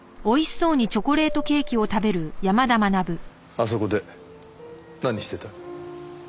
あそこで何してた？